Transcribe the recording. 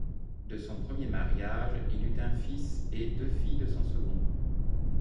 De son premier mariage il eut un fils et deux filles de son second.